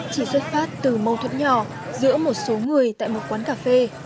chỉ xuất phát từ mâu thuẫn nhỏ giữa một số người tại một quán cà phê